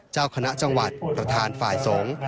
เจ้าคณะจังหวัดประธานฝ่ายสงฆ์